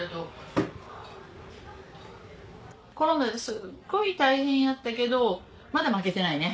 コロナですっごい大変やったけどまだ負けてないね。